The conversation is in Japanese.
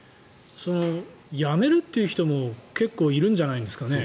やめるという人も結構いるんじゃないですかね。